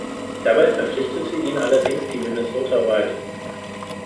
Dabei verpflichteten ihn allerdings die Minnesota Wild.